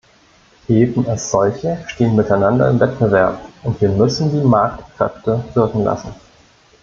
Häfen als solche stehen miteinander im Wettbewerb, und wir müssen die Marktkräfte wirken lassen.